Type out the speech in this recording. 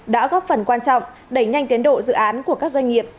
đã góp phần quan trọng đẩy nhanh tiến độ dự án của các doanh nghiệp